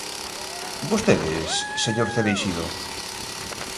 ¿Vostedes, señor Cereixido?